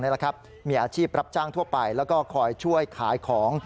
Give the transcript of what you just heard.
มีอาชีพรับจ้างทั่วไปแล้วก็คอยช่วยขายของ